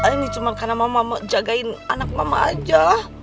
ini cuma karena mama jagain anak mama aja